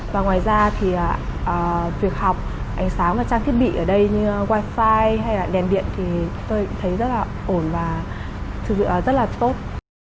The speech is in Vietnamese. và ngoài ra thì việc học ánh sáng và trang thiết bị ở đây như wifi hay là đèn điện thì tôi thấy rất là ổn và thực sự rất là tốt